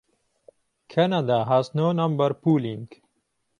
Canada has no number pooling.